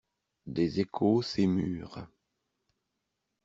Des échos s'émurent.